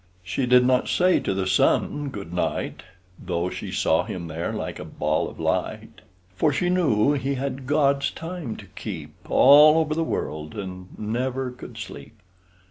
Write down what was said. She did not say to the sun, "Good night!" Though she saw him there like a ball of light; For she knew he had God's time to keep All over the world and never could sleep.